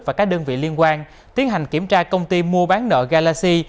và các đơn vị liên quan tiến hành kiểm tra công ty mua bán nợ galaxy